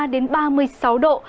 ba mươi ba đến ba mươi sáu độ